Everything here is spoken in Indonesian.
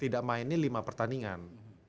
tidak mainnya lima pertandingan